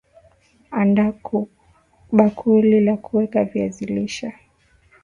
andaa bakuli la kuweka viazi lishe